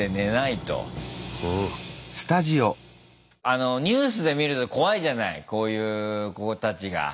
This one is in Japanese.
あのニュースで見ると怖いじゃないこういう子たちが。